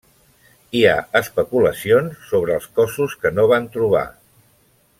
Hi ha especulacions sobre els cossos que no van trobar.